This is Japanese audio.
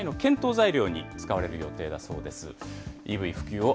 材料に使われる予定だそうです。